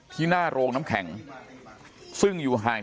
ที่หน้าโรงน้ำแข็งซึ่งอยู่ห่าง